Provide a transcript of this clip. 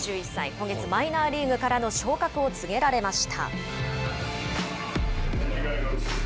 今月マイナーリーグからの昇格を告げられました。